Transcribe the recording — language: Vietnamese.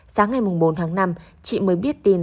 sáng ngày bốn tháng năm chị mới biết tin